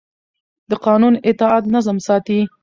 د قانون اطاعت نظم ساتي